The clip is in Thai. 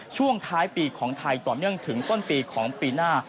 ช่วงท้ายปีของไทยต่อเนื่องถึงต้นปีของปีหน้า